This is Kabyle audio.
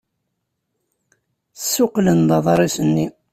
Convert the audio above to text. Ssuqqlen-d aḍris-nni.